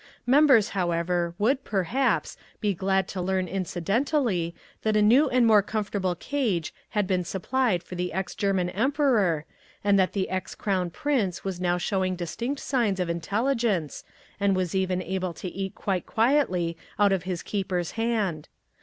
Members, however, would, perhaps, be glad to learn incidentally that a new and more comfortable cage had been supplied for the ex German Emperor, and that the ex Crown Prince was now showing distinct signs of intelligence, and was even able to eat quite quietly out of his keeper's hand.